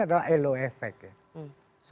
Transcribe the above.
adalah loefec ya